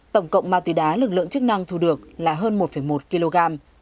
tổng cộng ma túy đá lực lượng chức năng thu được là hơn một một kg